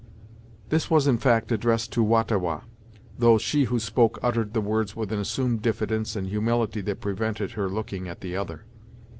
This was, in fact, addressed to Wah ta Wah, though she who spoke uttered her words with an assumed diffidence and humility that prevented her looking at the other.